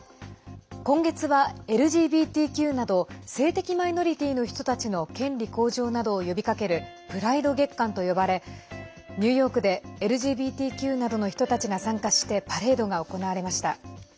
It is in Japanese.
今月はＬＧＢＴＱなど性的マイノリティーの人たちの権利向上などを呼びかけるプライド月間と呼ばれニューヨークでＬＧＢＴＱなどの人たちが参加してパレードが行われました。